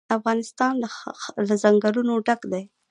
افغانستان له ځنګلونه ډک دی.